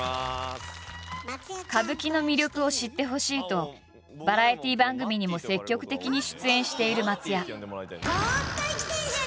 歌舞伎の魅力を知ってほしいとバラエティー番組にも積極的に出演している松也。